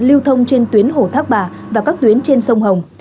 lưu thông trên tuyến hồ thác bà và các tuyến trên sông hồng